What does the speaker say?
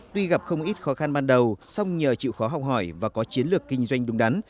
tuy gặp không ít khó khăn ban đầu song nhờ chịu khó học hỏi và có chiến lược kinh doanh đúng đắn